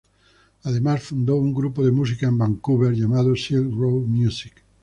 Además, fundó un grupo de música en Vancouver llamado, "Silk Road Music".